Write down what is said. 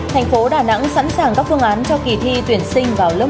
thành phố đà nẵng sẵn sàng các phương án cho kỳ thi tuyển sinh vào lớp một